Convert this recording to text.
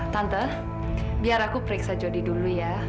tante biar aku periksa jody dulu ya